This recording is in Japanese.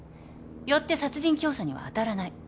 よって殺人教唆には当たらない。